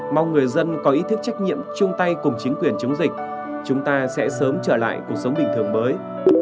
mong người dân có ý thức trách nhiệm chung tay cùng chính quyền chống dịch chúng ta sẽ sớm trở lại cuộc sống bình thường mới